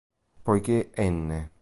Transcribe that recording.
Poiché "n"!